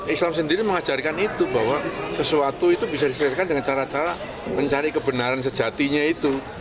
islam sendiri mengajarkan itu bahwa sesuatu itu bisa diselesaikan dengan cara cara mencari kebenaran sejatinya itu